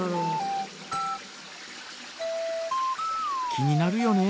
気になるよね。